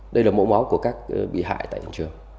đây là mẫu máu của các bị hại tại cổng trường